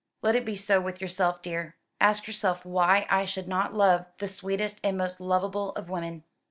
Let it be so with yourself, dear. Ask yourself why I should not love the sweetest and most lovable of women."